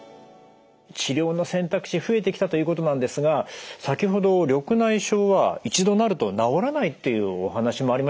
治療の選択肢増えてきたということなんですが先ほど緑内障は一度なると治らないというお話もありましたけど